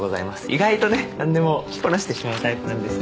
意外とねなんでも着こなしてしまうタイプなんですよ